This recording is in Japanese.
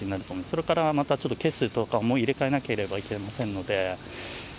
それからまたちょっとケースとかも入れ替えないといけませんので。